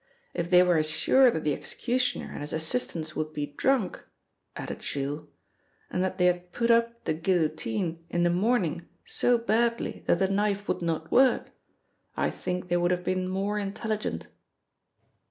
If they were as sure that the executioner and his assistants would be drunk," added Jules, "and that they had put up the guillotine in the morning so badly that the knife would not work, I think they would have been more intelligent."